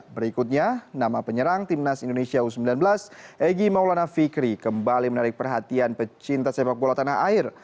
berikutnya nama penyerang timnas indonesia u sembilan belas egy maulana fikri kembali menarik perhatian pecinta sepak bola tanah air